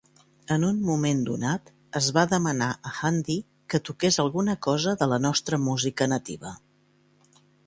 En un moment donat, es va demanar a Handy que "toqués alguna cosa de la nostra música nativa".